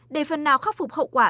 để phần nào khắc phục hậu quả